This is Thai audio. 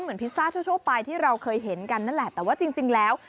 เหมือนพิซซ่าชั่วโชคไปที่เราเคยเห็นกันนั่นแหละแต่ว่าจริงจริงแล้ว